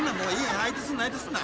相手すんな相手すんな。